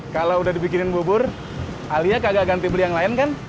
kalau udah dibikinin bubur alia kagak ganti beli yang lain kan